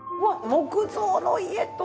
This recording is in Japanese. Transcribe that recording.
木造の家と。